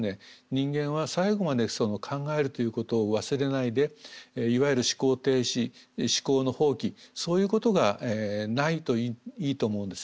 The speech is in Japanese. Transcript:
人間は最後まで考えるということを忘れないでいわゆる思考停止思考の放棄そういうことがないといいと思うんです。